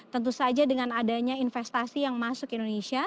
tentu saja dengan adanya investasi yang masuk ke indonesia